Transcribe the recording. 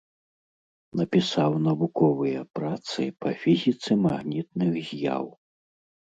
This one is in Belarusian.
Напісаў навуковыя працы па фізіцы магнітных з'яў.